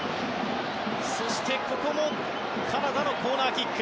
そしてここもカナダのコーナーキック。